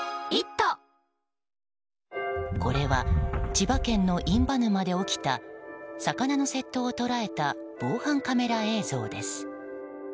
これは千葉県の印旛沼で起きた魚の窃盗を捉えた防犯カメラ映像です。